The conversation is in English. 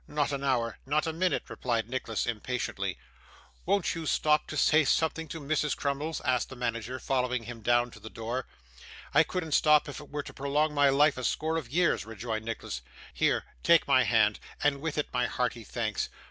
'Not an hour not a minute,' replied Nicholas, impatiently. 'Won't you stop to say something to Mrs. Crummles?' asked the manager, following him down to the door. 'I couldn't stop if it were to prolong my life a score of years,' rejoined Nicholas. 'Here, take my hand, and with it my hearty thanks.